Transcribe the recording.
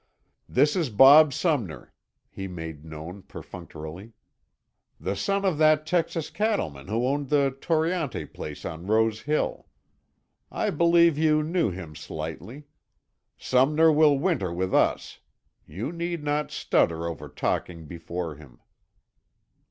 "This is Bob Sumner," he made known perfunctorily. "The son of that Texas cattleman who owned the Toreante place on Rose Hill. I believe you knew him slightly. Sumner will winter with us. You need not stutter over talking before him."